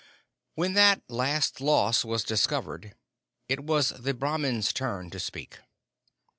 When that last loss was discovered, it was the Brahmin's turn to speak.